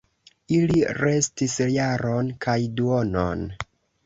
Ili restis jaron kaj duonon.